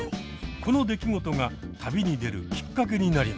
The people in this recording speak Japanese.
この出来事が旅に出るきっかけになりました。